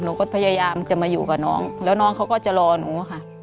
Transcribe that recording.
หนูก็พยายามจะมาอยู่กับน้องแล้วน้องเขาก็จะรอหนูอะค่ะ